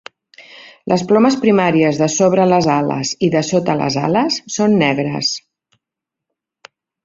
Les plomes primàries de sobre les ales i de sota les ales són negres.